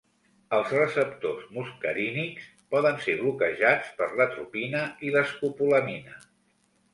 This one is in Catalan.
Els receptors muscarínics poden ser bloquejats per l'atropina i l'escopolamina.